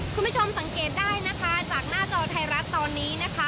คุณผู้ชมสังเกตได้นะคะจากหน้าจอไทยรัฐตอนนี้นะคะ